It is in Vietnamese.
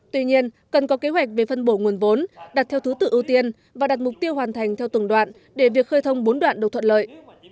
tuy nhiên cần có kế hoạch về phân bổ nguồn vốn đặt theo thứ tự ưu tiên và đặt mục tiêu hoàn thành theo từng đoạn để việc khơi thông bốn đoạn được thuận lợi